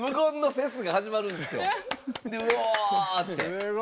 すごい。